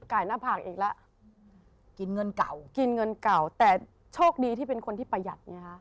หน้าผากอีกแล้วกินเงินเก่ากินเงินเก่าแต่โชคดีที่เป็นคนที่ประหยัดไงฮะ